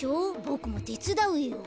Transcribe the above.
ボクもてつだうよ。